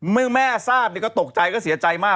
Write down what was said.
เมื่อแม่ทราบก็ตกใจก็เสียใจมาก